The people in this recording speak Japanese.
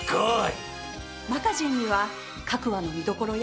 マガジンには各話の見どころや裏話